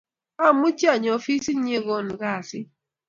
Amuchi anyoo afisit nyi ko agenge kasiit